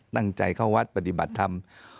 ตั้งใจเข้าวัดปฏิบัติธรรม